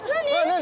何？